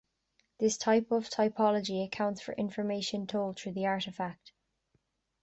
This type of typology accounts for information told through the artifact.